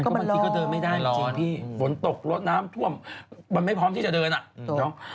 ก็มันร้อนมันจริงพี่ฝนตกรถน้ำท่วมมันไม่พร้อมที่จะเดินอ่ะถูก